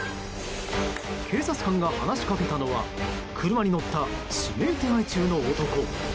警察官が話しかけたのは車に乗った指名手配中の男。